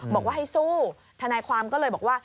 บอกว่าให้สู้ทนายความก็เลยบอกว่า